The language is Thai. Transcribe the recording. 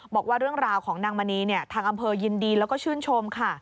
บอกว่าเรื่องราวของนางมณีทางอำเภอยินดีแล้วก็ชื่นชมค่ะ